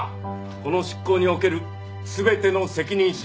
この執行における全ての責任者は私です。